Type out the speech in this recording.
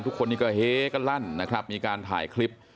ทุกคนนี้ก็เฮ้กันลั่นนะครับมีการถ่ายคลิป